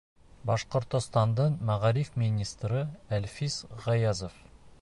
Башҡортостандың мәғариф министры Әлфис ҒАЯЗОВ: